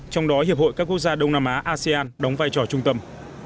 trong đó hiệp hội các quốc gia đông nam á asean đóng vai trò trung tâm